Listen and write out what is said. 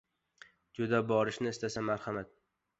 Juda borishni istasa — marhamat.